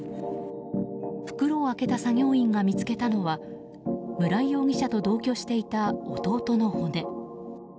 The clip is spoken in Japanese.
袋を開けた作業員が見つけたのは村井容疑者と同居していた弟の骨。